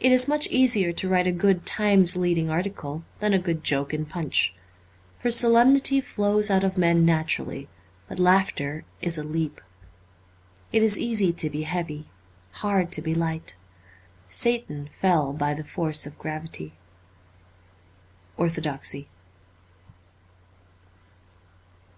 It is much easier to write a good Times leading article than a good joke in Punch. For solemnity flows out of men naturally, but laughter is a leap. It is easy to be heavy : hard to be light. Satan fell by the force of gravity. ' Orthodoxy.'